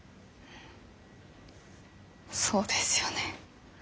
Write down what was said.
そうですよね。